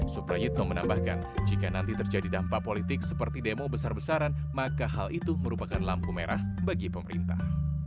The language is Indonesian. suprayitno menambahkan jika nanti terjadi dampak politik seperti demo besar besaran maka hal itu merupakan lampu merah bagi pemerintah